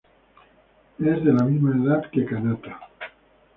Es de la misma edad que Kanata.